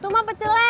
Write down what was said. itu mah pecele dong